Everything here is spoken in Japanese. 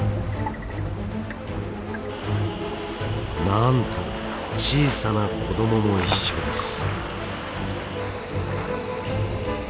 なんと小さな子どもも一緒です。